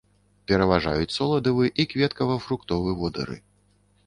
Пераважаюць соладавы і кветкава-фруктовы водары.